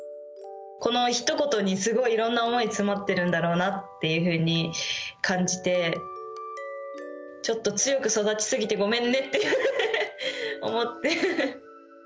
このひと言にすごい、いろんな思い詰まってるんだろうなっていうふうに感じて、ちょっと強く育ちすぎてごめんねって思って。